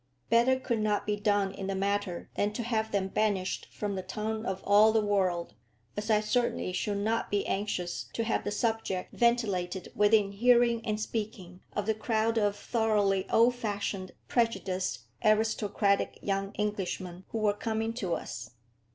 Better could not be done in the matter than to have them banished from the tongue of all the world, as I certainly should not be anxious to have the subject ventilated within hearing and speaking of the crowd of thoroughly old fashioned, prejudiced, aristocratic young Englishmen who were coming to us.